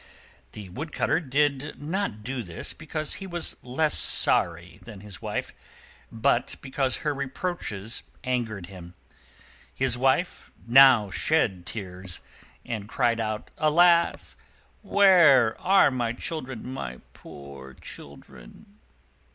The Wood cutter did not do this because he was less sorry than his Wife, but because her reproaches angered him. His Wife now shed tears, and cried out, "Alas! where are my children, my poor children?"